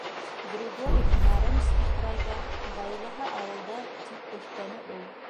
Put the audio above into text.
— Григорий Нарымский крайҙа, ғаиләһе ауылда, — тип өҫтәне ул.